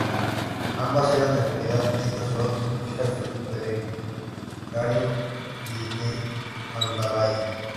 Ambas eran en realidad nietas de Otón, hijas de Berengario y de Adelaida.